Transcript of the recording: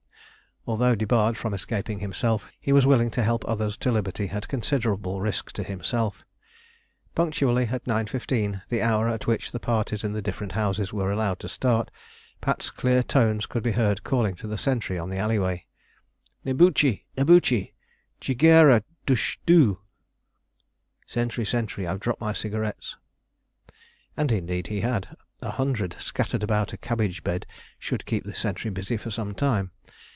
Although debarred from escaping himself, he was willing to help others to liberty at considerable risk to himself. Punctually at 9.15, the hour at which the parties in the different houses were allowed to start, Pat's clear tones could be heard calling to the sentry on the alley way "Nebuchi, nebuchi, jigara dushdu." ("Sentry, sentry, I've dropped my cigarettes.") And indeed he had: a hundred scattered about a cabbage bed should keep the sentry busy for some time.